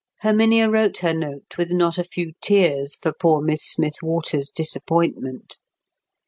Herminia wrote her note with not a few tears for poor Miss Smith Waters's disappointment.